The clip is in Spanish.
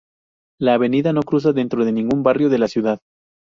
La avenida no cruza dentro de ningún barrio de la ciudad.